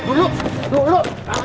eh tu lu